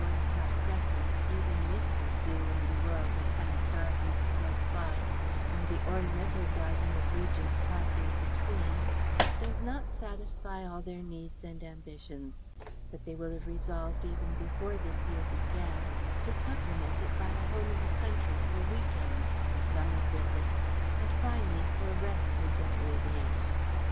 1 Park Crescent, even with the Zoo and the Royal Botanic Gardens close by and the ornamental garden of Regent's Park in between, does not satisfy all their needs and ambitions: that they will have resolved even before this year began to supplement it by a home in the country for week ends, for summer visits, and finally for rest in their old age.